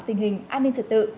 tình hình an ninh trật tự